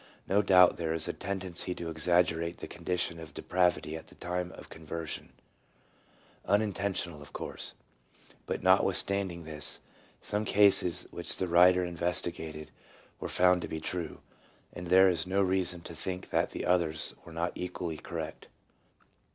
1 No doubt there is a tendency to ex aggerate the condition of depravity at the time of conversion (unintentional, of course); but notwith standing this, some cases which the writer investi gated were found to be true, and there is no reason to think that the others were not equally correct.